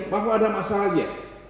bahwa ada masalahnya